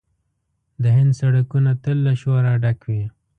د هند سړکونه تل له شوره ډک وي.